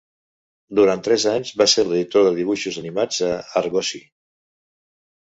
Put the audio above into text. Durant tres anys va ser l'editor de dibuixos animats a "Argosy".